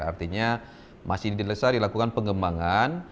artinya masih di desa dilakukan pengembangan